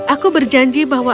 aku berjanji bahwa